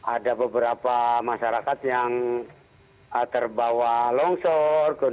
ada beberapa masyarakat yang terbawa longsor